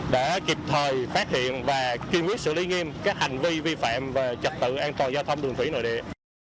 đã kịp thời phát hiện và kiên quyết xử lý nghiêm các hành vi vi phạm về trật tự an toàn giao thông đường thủy nội địa